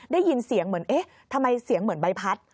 ได้ยินเสียงเหมือนเอ๊ะทำไมเสียงเหมือนใบพัด